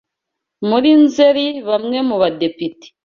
Muri Nzeri bamwe mu badepite